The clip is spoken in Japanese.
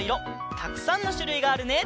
たくさんのしゅるいがあるね。